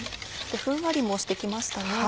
ふんわりもして来ましたね。